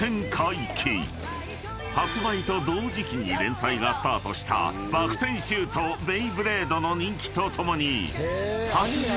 ［発売と同時期に連載がスタートした『爆転シュートベイブレード』の人気とともに］